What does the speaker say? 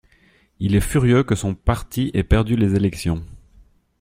Il est furieux que son parti ait perdu les élections.